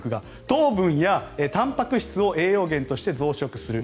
糖分やたんぱく質を栄養源として増殖する。